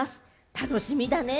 楽しみだね。